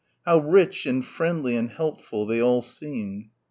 How rich and friendly and helpful they all seemed.